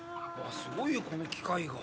すごいよ、この機械が。